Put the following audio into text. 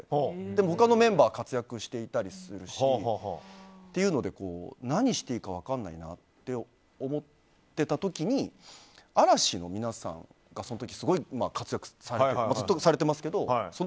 でも、他のメンバーは活躍していたりするしっていうので何していいか分からないなって思ってた時に嵐の皆さんがその時、すごい活躍されてて。